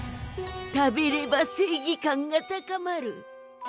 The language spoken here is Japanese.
食べれば正義感が高まる。